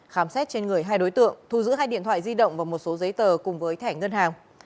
khám xét trên người hai đối tượng thu giữ hai điện thoại di động và một số giấy tờ cùng với thẻ ngân hàng